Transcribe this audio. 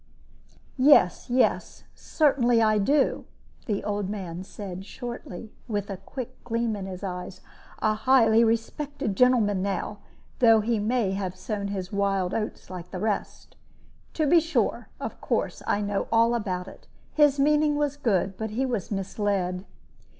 "Yes, yes; certainly I do," the old man said, shortly, with a quick gleam in his eyes; "a highly respected gentleman now, though he may have sown his wild oats like the rest. To be sure; of course I know all about it. His meaning was good, but he was misled."